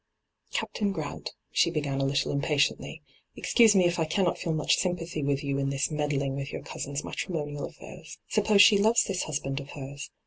'Captain Grant,' she began a little impa tiently, ' excuse me if I cannot feel much sym pathy with you in this meddling with your oousiu's matrimonial af&irs. Suppose she loves this husband of hers